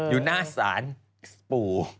อยู่หน้าศาลปู่